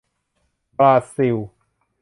บราซิล